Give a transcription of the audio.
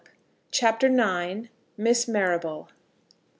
CHAPTER IX. MISS MARRABLE.